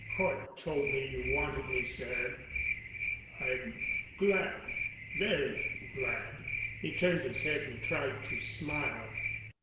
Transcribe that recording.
"Cort told me you wanted me, sir." "I'm glad—very glad." He turned his head and tried to smile.